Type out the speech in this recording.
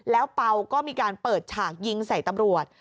แล้วเปล่าก็มีการเปิดฉากยิงใส่ตำรวจ